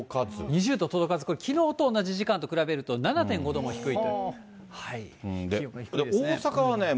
２０度届かず、これ、きのうと同じ時間と比べると７．５度も低い。